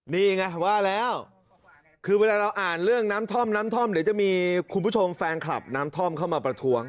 นี่ไงว่าแล้วคือเวลาเราอ่านเรื่องน้ำท่อมน้ำท่อมเดี๋ยวจะมีคุณผู้ชมแฟนคลับน้ำท่อมเข้ามาประท้วง